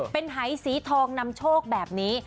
เป็นหายสีทองนำโชคแบบนี้